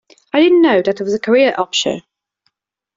I didn't know that was a career optio.